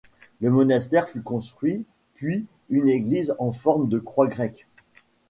Le monastère fut construit, puis une église en forme de croix grecque.